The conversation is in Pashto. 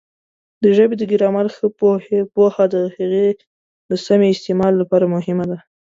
د ژبې د ګرامر ښه پوهه د هغې د سمې استعمال لپاره مهمه ده.